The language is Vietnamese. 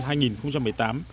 nắng hạn kéo dài